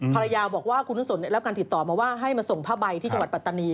ภรรยาบอกว่าคุณนุสนได้รับการติดต่อมาว่าให้มาส่งผ้าใบที่จังหวัดปัตตานี